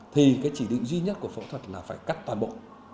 thì cái chỉ định duy nhất của phẫu thuật là phải cắt toàn bộ